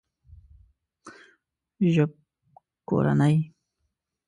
ژبکورنۍ